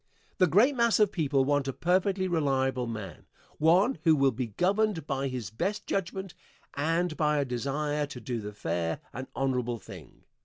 The great mass of people want a perfectly reliable man one who will be governed by his best judgment and by a desire to do the fair and honorable thing.